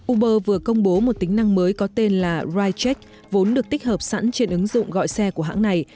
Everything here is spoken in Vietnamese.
uber vừa công bố một tính năng mới có tên là raicheck vốn được tích hợp sẵn trên ứng dụng gọi xe của hãng này